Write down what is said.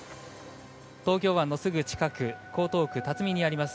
東京湾のすぐ近く江東区辰巳にあります